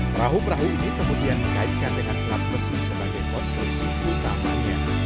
perahu perahu ini kemudian dikaitkan dengan kelam besi sebagai konstruksi utamanya